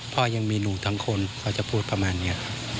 พ่อยังมีหนูทั้งคนเขาจะพูดประมาณนี้